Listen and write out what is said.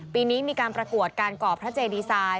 ปีนี้มีการประกวดการก่อพระเจดีไซน์